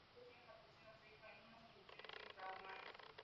Dio a luz en la prisión su hija en unas condiciones infrahumanas.